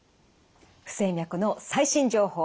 不整脈の最新情報